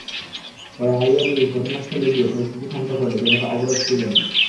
পরে highway police ঘটনাস্থলে গিয়ে পরিস্থিতি শান্ত করলে জনতা অবরোধ তুলে নেয়।